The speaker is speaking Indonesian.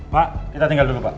pak kita tinggal dulu pak